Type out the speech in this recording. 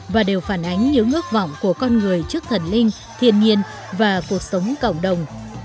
và đều phản ánh những ước vọng của con người trước thần linh thiên nhiên và cuộc sống cộng đồng